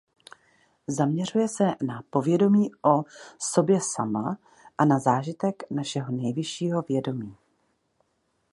Zaměřuje se na povědomí o sobě sama a na zážitek našeho nejvyššího vědomí.